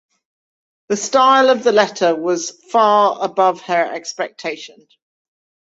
The style of the letter was far above her expectation.